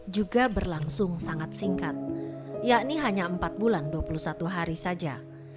juga berlangsung sangat singkat yakni hanya empat bulan dua puluh satu hari saja